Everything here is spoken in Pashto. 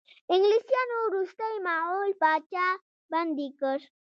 انګلیسانو وروستی مغول پاچا بندي کړ.